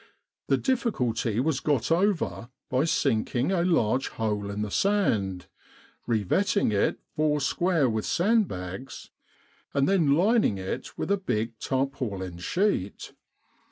The difficulty was got over by sinking a large hole in the sand, revetting it four square with sandbags, and then lining it with a big tarpaulin sheet.